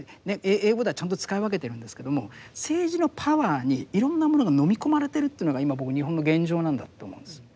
英語ではちゃんと使い分けてるんですけども政治のパワーにいろんなものがのみ込まれてるというのが今僕日本の現状なんだって思うんです。